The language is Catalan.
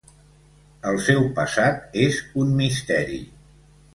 El seu passat és un misteri.